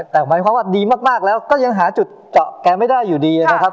แต่หมายความว่าดีมากแล้วก็ยังหาจุดเจาะแกไม่ได้อยู่ดีนะครับ